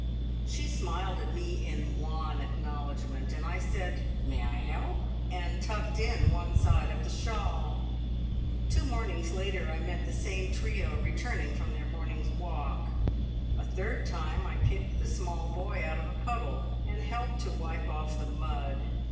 She smiled at me in wan acknowledgment, and I said, "May I help?" and tucked in one side of the shawl. Two mornings later I met the same trio returning from their morning's walk, a third time I picked the small boy out of a puddle, and helped to wipe off the mud.